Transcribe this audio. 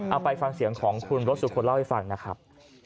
เอาไปฟังเสียงของคุณรถสุคลเล่าให้ฟังนะครับ